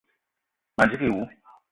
Ma ndigui wou.